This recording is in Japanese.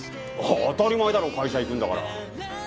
当たり前だろ会社行くんだから。